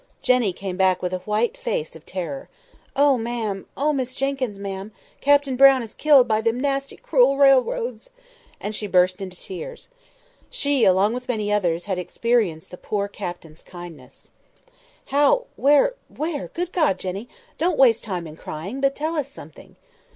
Jenny came back with a white face of terror. "Oh, ma'am! Oh, Miss Jenkyns, ma'am! Captain Brown is killed by them nasty cruel railroads!" and she burst into tears. She, along with many others, had experienced the poor Captain's kindness. "How?—where—where? Good God! Jenny, don't waste time in crying, but tell us something."